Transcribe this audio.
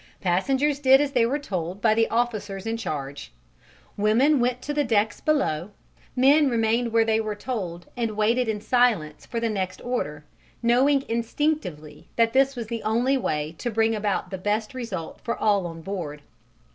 Passengers did as they were told by the officers in charge: women went to the decks below, men remained where they were told and waited in silence for the next order, knowing instinctively that this was the only way to bring about the best result for all on board.